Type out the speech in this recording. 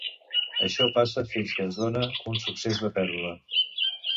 Això passa fins que es dóna un succés de pèrdua.